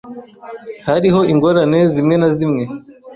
Hariho ingorane zimwe na zimwe.